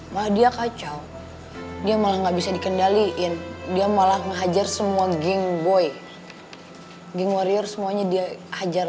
malah dia kacau dia malah nggak bisa dikendaliin dia malah ngehajar semua geng boy geng warrior